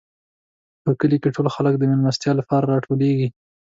په کلي کې ټول خلک د مېلمستیا لپاره راټولېږي.